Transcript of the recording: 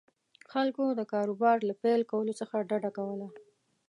خلکو د کاروبار له پیل کولو څخه ډډه کوله.